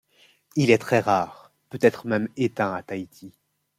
Il est très rare, peut-être même éteint à Tahiti.